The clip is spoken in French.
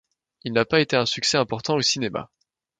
Il n'a pas été un succès important au cinéma.